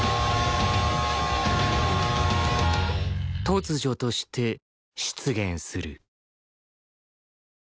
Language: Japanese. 突如として出現する